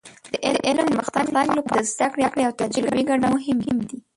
د علم د پرمختګ لپاره د زده کړې او تجربې ګډول مهم دي.